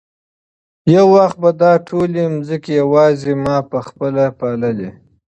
یو وخت به دا ټولې مځکې یوازې ما په خپله پاللې.